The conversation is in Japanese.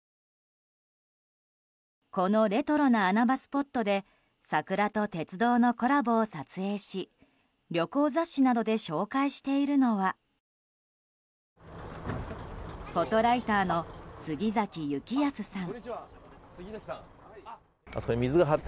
このレトロな穴場スポットで桜と鉄道のコラボを撮影し旅行雑誌などで紹介しているのはフォトライターの杉崎行恭さん。